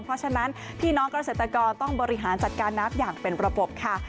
เพราะฉะนั้นพี่น้องเกษตรกรต้องบริหารจัดการน้ำอย่างเป็นระบบค่ะ